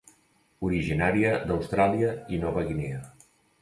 Originària d'Austràlia i Nova Guinea.